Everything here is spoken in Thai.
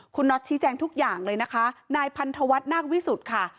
คุณน็อตชี้แจงทุกอย่างเลยนะคะนายพันธวัฒน์นาควิสุทธิ์ค่ะ